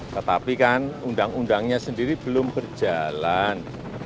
tetapi kan undang undangnya sendiri belum berjalan